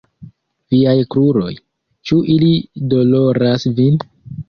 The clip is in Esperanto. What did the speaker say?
Viaj kruroj? Ĉu ili doloras vin?